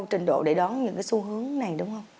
trình độ để đón những cái xu hướng này đúng không